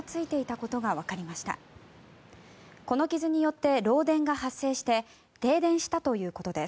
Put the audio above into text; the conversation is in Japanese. この傷によって漏電が発生して停電したということです。